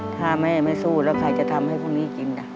ถ้าแม่ไม่สู้แล้วใครจะทำให้พวกนี้กิน